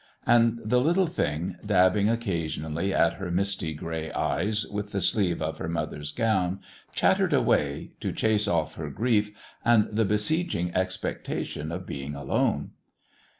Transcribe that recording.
And the little thing, dab bing occasionally at her misty gray eyes with the sleeve of her mother's gown, chattered away, to chase off her grief and the besieging expecta tion of being alone.